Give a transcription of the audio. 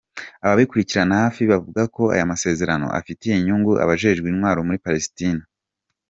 Ababikurikiranira hafi bavuga ko ayo masezerano afitiye inyungu abajejwe intwaro muri Palestine.